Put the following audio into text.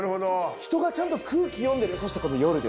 人がちゃんと空気読んでるそしてこれ夜です。